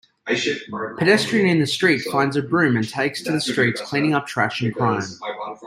Pedestrian in the street finds a broom and takes to the streets cleaning up trash and crime.